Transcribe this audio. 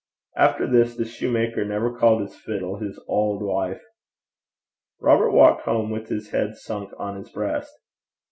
After this the soutar never called his fiddle his auld wife. Robert walked home with his head sunk on his breast.